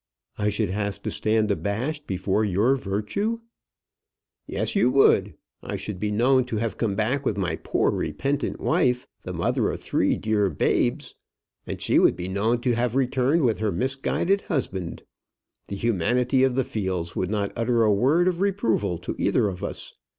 "I should have to stand abashed before your virtue?" "Yes, you would. I should be known to have come back with my poor repentant wife, the mother of three dear babes. And she would be known to have returned with her misguided husband. The humanity of the Fields would not utter a word of reproval to either of us.